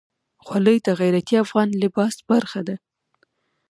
خولۍ د غیرتي افغان لباس برخه ده.